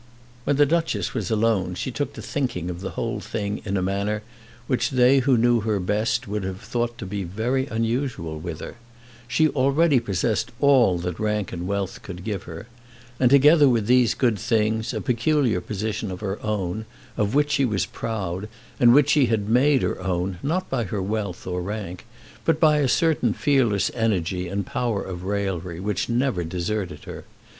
When the Duchess was alone she took to thinking of the whole thing in a manner which they who best knew her would have thought to be very unusual with her. She already possessed all that rank and wealth could give her, and together with those good things a peculiar position of her own, of which she was proud, and which she had made her own not by her wealth or rank, but by a certain fearless energy and power of raillery which never deserted her.